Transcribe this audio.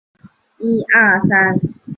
克弗灵是德国巴伐利亚州的一个市镇。